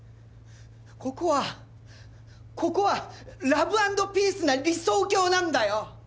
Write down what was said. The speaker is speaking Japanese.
ここはここはラブアンドピースな理想郷なんだよ！